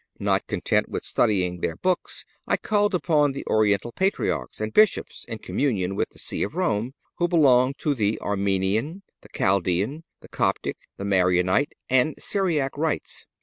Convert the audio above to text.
Not content with studying their books, I called upon the Oriental Patriarchs and Bishops in communion with the See of Rome, who belong to the Armenian, the Chaldean, the Coptic, the Maronite and Syriac rites.